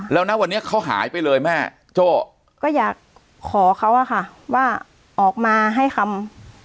แล้วนะวันนี้เขาหายไปเลยแม่โจ้ก็อยากขอเขาอะค่ะว่าออกมาให้คำ